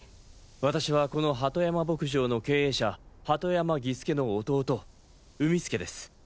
私はこの鳩山牧場の経営者鳩山義輔の弟海輔です。